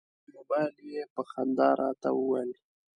په مبایل یې په خندا راته وویل.